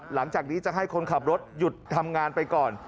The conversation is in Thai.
หลังจากนี้จะให้คนขับรถหยุดทำงานไปก่อน